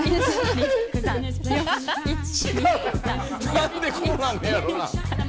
何でこうなんねやろな。